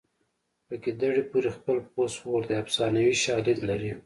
په ګیدړې پورې خپل پوست اور دی افسانوي شالید لري